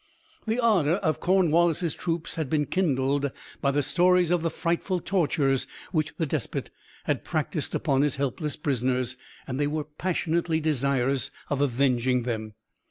The ardour of Cornwallis's troops had been kindled by the stories of the frightful tortures which the despot had practiced upon his helpless prisoners, and they were passionately desirous of avenging them.